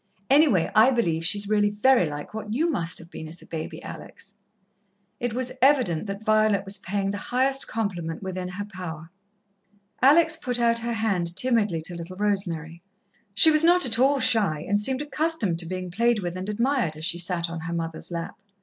Anyway, I believe she's really very like what you must have been as a baby, Alex!" It was evident that Violet was paying the highest compliment within her power. Alex put out her hand timidly to little Rosemary. She was not at all shy, and seemed accustomed to being played with and admired, as she sat on her mother's lap.